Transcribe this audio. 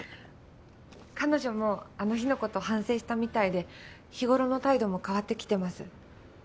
彼女もあの日のこと反省したみたいで日頃の態度も変わってきてます。